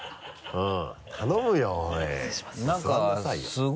うん。